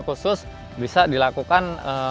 khusus bisa dilakukan